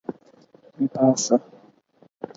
باسه